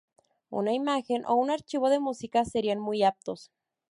Una imagen o un archivo de música serían muy aptos.